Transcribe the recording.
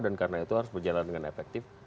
dan karena itu harus berjalan dengan efektif